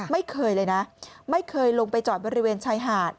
ไม่เคยเลยนะไม่เคยลงไปจอดบริเวณชายหาด